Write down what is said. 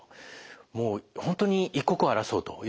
もう本当に一刻を争うということ。